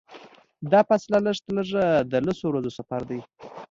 دا فاصله لږترلږه د لسو ورځو سفر دی.